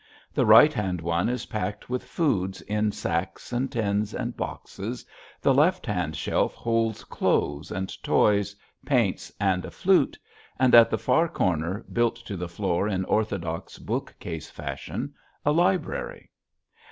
The right hand one is packed with foods in sacks and tins and boxes, the left hand shelf holds clothes and toys, paints and a flute, and at the far corner built to the floor in orthodox bookcase fashion, a library.